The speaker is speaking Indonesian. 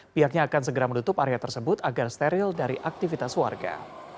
pihaknya akan segera menutup area tersebut agar steril dari aktivitas warga